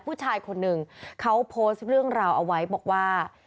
ผู้ชายคนหนึ่งเขาโพสต์เรื่องราวเอาไว้บอกว่า